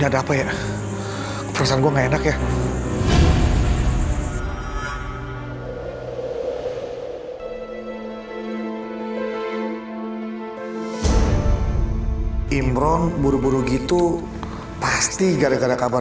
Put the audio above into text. bapak bapak mari kita mulai acara pemakaman